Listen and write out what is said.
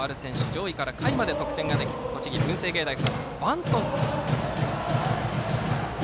上位から下位まで得点ができる栃木・文星芸大付属です。